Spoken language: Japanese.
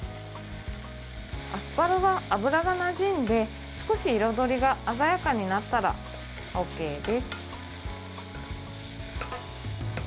アスパラは油がなじんで少し彩りが鮮やかになったらＯＫです。